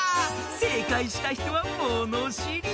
せいかいしたひとはものしり。